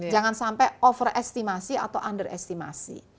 jangan sampai overestimasi atau underestimasi